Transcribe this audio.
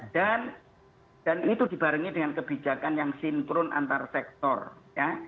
dan itu dibarengi dengan kebijakan yang sinkron antar sektor ya